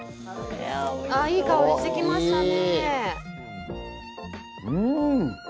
いい香りしてきましたね。